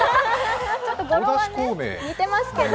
ちょっと語呂が似てますけど。